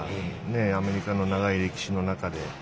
アメリカの長い歴史の中で。